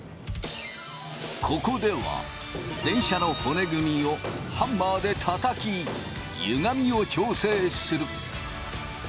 ここでは電車の骨組みをハンマーでたたきゆがみを調整する。